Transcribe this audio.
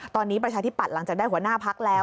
ตอนนี้ประชาที่ปัดหลังจากได้หัวหน้าพรรคแล้ว